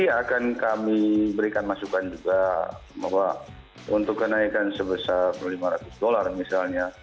ini akan kami berikan masukan juga bahwa untuk kenaikan sebesar lima ratus dolar misalnya